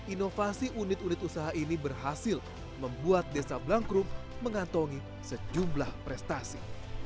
inovasi unit unit usaha ini berhasil membuat desa blangkrum mengantongi sejumlah prestasi